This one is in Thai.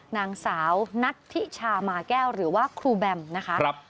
นางสาวนัทธิชามาแก้วหรือว่าครูแบมนะคะ